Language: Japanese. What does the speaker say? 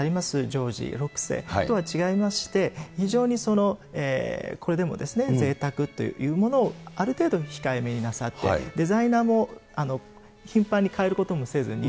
ジョージ６世とは違いまして、非常にこれでもぜいたくというものをある程度控えめになさって、デザイナーも頻繁に代えることもせずに。